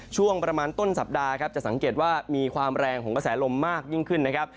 ช่วงประมาณต้นสัปดาห์ครับจะสังเกตว่ามีความแรงของกระแสลมมากยิ่งขึ้นนะครับ